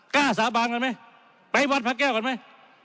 กล้าสาบานกันไหมไปวันพระแก้วกันไหม